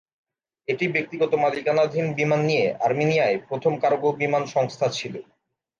এটি ব্যক্তিগত মালিকানাধীন বিমান নিয়ে আর্মেনিয়ায় প্রথম কার্গো বিমান সংস্থা ছিল।